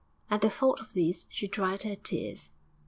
At the thought of this she dried her tears.